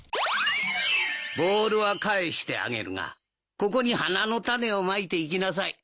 ボールは返してあげるがここに花の種をまいていきなさい。